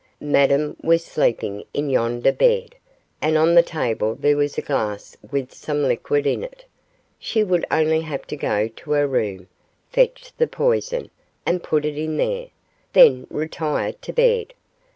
Madame was sleeping in yonder bed, and on the table there was a glass with some liquid in it. She would only have to go to her room, fetch the poison, and put it in there then retire to bed.